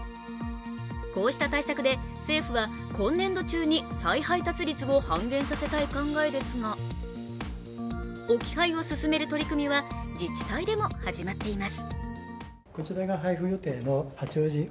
こうした対策で政府は、今年度中に再配達率を半減させたい考えですが置き配を進める取り組みは自治体でも始まっています。